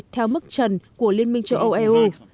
theo mức trần của liên minh châu âu eu